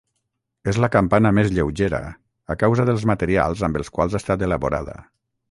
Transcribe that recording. És la campana més lleugera, a causa dels materials amb els quals ha estat elaborada.